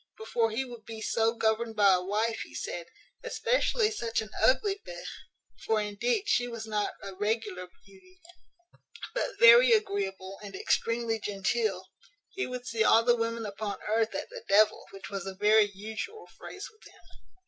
"Before he would be so governed by a wife, he said, especially such an ugly b (for, indeed, she was not a regular beauty, but very agreeable and extremely genteel), he would see all the women upon earth at the devil, which was a very usual phrase with him.